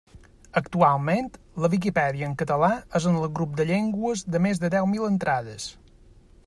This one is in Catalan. Actualment, la Viquipèdia en català és en el grup de llengües de més de deu mil entrades.